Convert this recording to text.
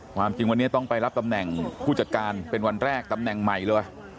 ความจริงวันนี้ต้องไปรับตำแหน่งผู้จัดการเป็นวันแรกตำแหน่งใหม่เลย